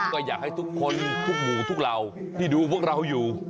ก็อยากให้ทุกคนทุกหมู่ทุกเหล่าที่ดูพวกเราอยู่